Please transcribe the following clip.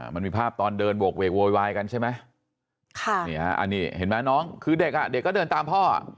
มันมีภาพตอนเดินโบกเวกโววายกันใช่ไหมค่ะนี่เห็นมั้ยน้องคือเด็กก็เดินตามพ่อ